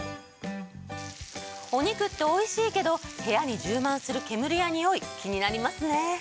お肉っておいしいけど部屋に充満する煙やにおい気になりますね。